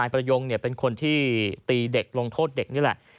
ประยงเป็นคนที่ตีเด็กลงโทษเด็กนี่แหละ